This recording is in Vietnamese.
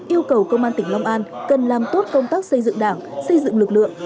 yêu cầu công an tỉnh long an cần làm tốt công tác xây dựng đảng xây dựng lực lượng